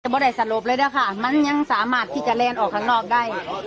แต่ไม่ได้สลบเลยนะคะมันยังสามารถที่จะแลนออกข้างนอกได้